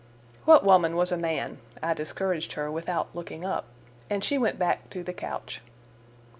"What woman was a man?" I discouraged her without looking up, and she went back to the couch.